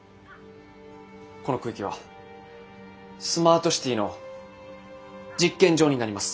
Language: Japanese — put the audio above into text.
この区域はスマートシティの実験場になります。